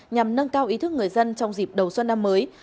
nhằm nâng cao ý thức người dân trong dịp đầu xuân năm mới